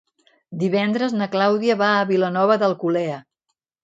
Divendres na Clàudia va a Vilanova d'Alcolea.